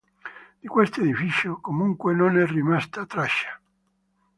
Di questo edificio, comunque, non è rimasta traccia.